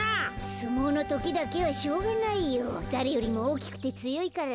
すもうのときだけはしょうがないよ。だれよりもおおきくてつよいからねえ。